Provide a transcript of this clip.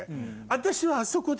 私はあそこで。